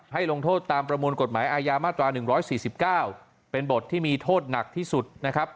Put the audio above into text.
ลงโทษตามประมวลกฎหมายอาญามาตรา๑๔๙เป็นบทที่มีโทษหนักที่สุดนะครับ